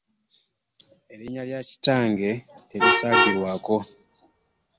Erinnya lya kitange terisaagirwako.